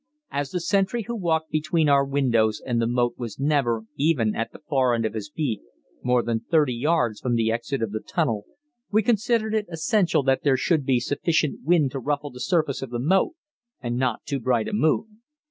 As the sentry who walked between our windows and the moat was never, even at the far end of his beat, more than 30 yards from the exit of the tunnel, we considered it essential that there should be sufficient wind to ruffle the surface of the moat, and not too bright a moon.